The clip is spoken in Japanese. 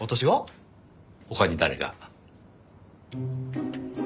他に誰が？